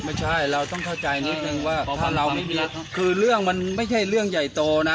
ไม่ใช่เราต้องเข้าใจนิดนึงว่าคือเรื่องมันไม่ใช่เรื่องใหญ่โตนะ